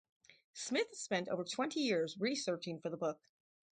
Smith spent over twenty years researching for the book.